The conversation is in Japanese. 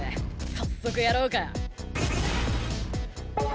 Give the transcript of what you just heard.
早速やろうか。